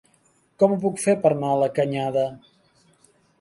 Com ho puc fer per anar a la Canyada?